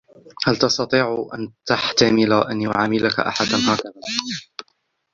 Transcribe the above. هل تستطيع أن تحتمل أن يعاملك أحد هكذا ؟